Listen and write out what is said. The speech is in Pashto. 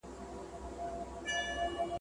د هغه د ناولونو ښځينه کردار بې رنګه دی